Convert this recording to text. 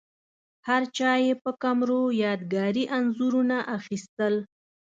هرچا یې په کمرو یادګاري انځورونه اخیستل.